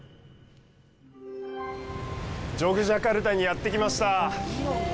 ジャカルタにやってきました！